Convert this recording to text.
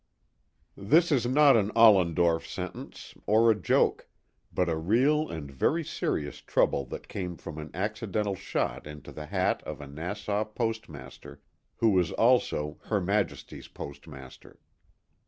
THIS is not an Ollendorf sentence, or a joke, but a real and very serious trouble that came from an accidental shot into the hat of the Nassau Postmaster, who was also "HER MAJESTY'S " Postmaster.